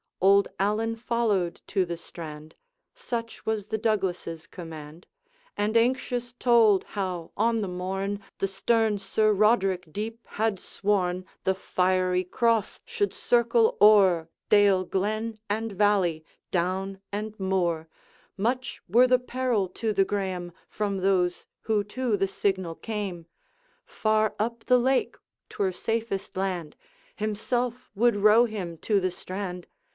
Old Allan followed to the strand Such was the Douglas's command And anxious told, how, on the morn, The stern Sir Roderick deep had sworn, The Fiery Cross should circle o'er Dale, glen, and valley, down and moor Much were the peril to the Graeme From those who to the signal came; Far up the lake 't were safest land, Himself would row him to the strand.